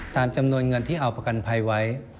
ตามจำนวนเงินที่เอาประกันภัยไว้